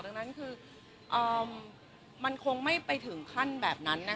ดังนั้นคืออ่ามันคงไม่ไปถึงขั้นแบบนั้นนะครับ